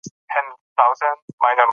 هغوی اوس نوې طریقه ازمويي.